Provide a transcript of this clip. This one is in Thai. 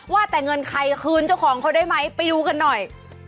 ว่าแต่เงินใครคืนเจ้าของเขาได้ไหมไปดูกันหน่อย